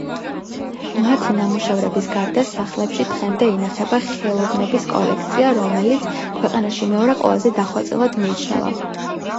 მათი ნამუშევრების გარდა, სასახლეში დღემდე ინახება ხელოვნების კოლექცია, რომელიც ქვეყანაში მეორე ყველაზე დახვეწილად მიიჩნევა.